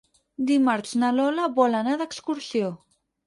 Dimarts na Lola vol anar d'excursió.